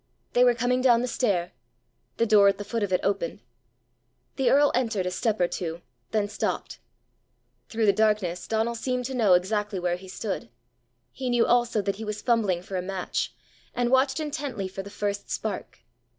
They were coming down the stair. The door at the foot of it opened. The earl entered a step or two, then stopped. Through the darkness Donal seemed to know exactly where he stood. He knew also that he was fumbling for a match, and watched intently for the first spark.